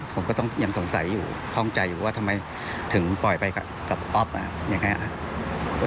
ผมก็ต้องยังสงสัยอยู่คล่องใจอยู่ว่าทำไมถึงปล่อยไปกับอ๊อฟยังไงครับ